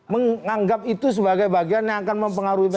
menganggap itu sebagai bagian yang akan mempengaruhi